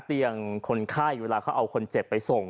คนไข้เวลาเขาเอาคนเจ็บไปส่ง